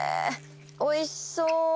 おいしそう。